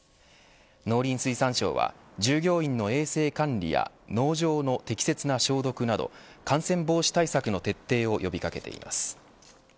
農林水産省は従業員の衛生管理や農場の適切な消毒など感染防止対策の徹底を呼び掛けています。